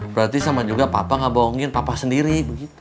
berarti sama juga papa ngebohongin papa sendiri